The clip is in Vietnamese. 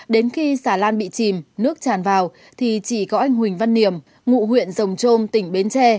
đến khi xà lan bị chìm nước tràn vào thì chỉ có anh huỳnh văn niềm ngụ huyện rồng trôm tỉnh bến tre